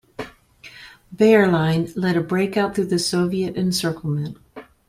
Bayerlein led a breakout through the Soviet encirclement.